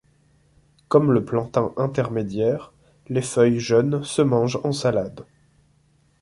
Comme le Plantain intermédiaire, les feuilles jeunes se mangent en salade.